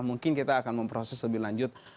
mungkin kita akan memproses lebih lanjut